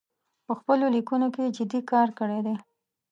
په خپلو لیکنو کې جدي کار کړی دی